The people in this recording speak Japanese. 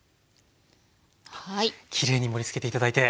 きれいに盛りつけて頂いて。